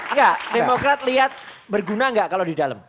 enggak demokrat lihat berguna nggak kalau di dalam